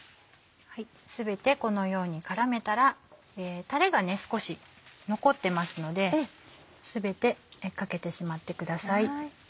全てこのように絡めたらタレが少し残ってますので全てかけてしまってください。